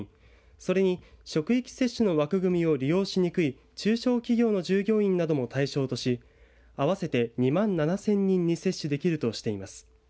それに職域接種の枠組みを利用しにくい中小企業の従業員なども対象とし合わせて２万７０００人に接種できるとしています。